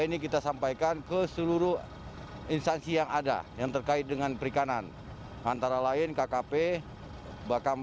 ini kita sampaikan ke seluruh instansi yang ada yang terkait dengan perikanan antara lain kkp bakam